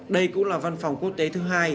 đây cũng là văn phòng quốc tế thứ hai